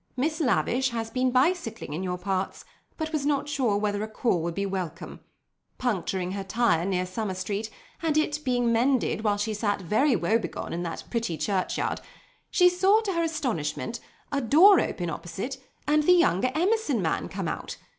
Miss Lavish has been bicycling in your parts, but was not sure whether a call would be welcome. Puncturing her tire near Summer Street, and it being mended while she sat very woebegone in that pretty churchyard, she saw to her astonishment, a door open opposite and the younger Emerson man come out.